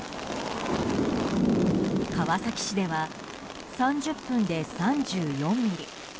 川崎市では３０分で３４ミリ。